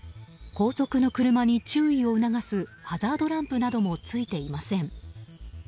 後続の車に注意を促すハザードランプなどもついていません。